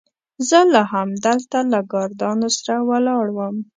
زه لا همدلته له ګاردانو سره ولاړ وم.